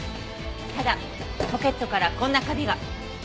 ただポケットからこんな紙が。